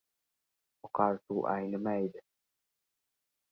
• Oqar suv aynimaydi.